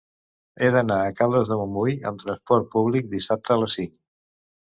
He d'anar a Caldes de Montbui amb trasport públic dissabte a les cinc.